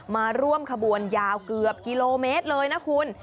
มาร่วมขบวนยาวเกือบกิโลเมตรเลยนะคุณ